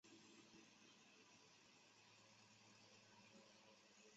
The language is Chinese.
发光炬灯鱼为辐鳍鱼纲灯笼鱼目灯笼鱼科炬灯鱼属的鱼类。